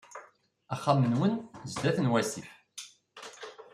Axxam-nnun sdat n wasif.